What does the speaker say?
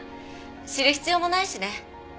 知る必要もないしね。